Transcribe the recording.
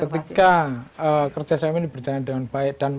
ketika kerja saya ini berjalan dengan baik